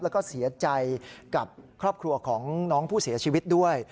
แล้วก็เสียใจกับครอบครัวของน้องผู้เสียชีวิตด้วย